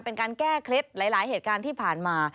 เป็นการแก้เคล็ดหลายเหตุการณ์ที่ผ่านมา